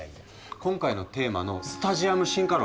今回のテーマのスタジアム進化論